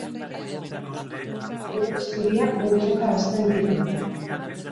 Lore zuriak multzoka hasten dira.